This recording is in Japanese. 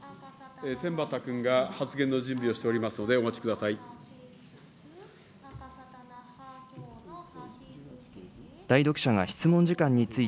天畠君が発言の準備をしておりますのでお待ちください。